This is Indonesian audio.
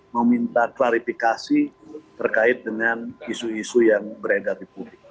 meminta klarifikasi terkait dengan isu isu yang beredar di publik